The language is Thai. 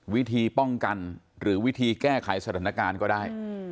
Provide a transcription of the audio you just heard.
วิธีป้องกันหรือวิธีแก้ไขสถานการณ์ก็ได้